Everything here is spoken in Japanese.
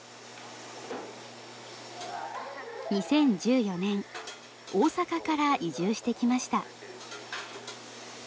２０１４年大阪から移住してきました。